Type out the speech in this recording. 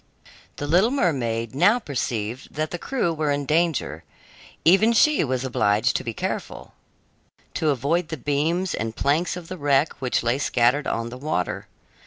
The little mermaid now perceived that the crew were in danger; even she was obliged to be careful, to avoid the beams and planks of the wreck which lay scattered on the water.